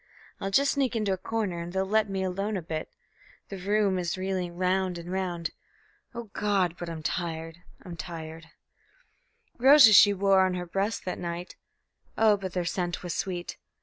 I'll just sneak into a corner and they'll let me alone a bit; The room is reeling round and round... O God! but I'm tired, I'm tired.... Roses she wore on her breast that night. Oh, but their scent was sweet!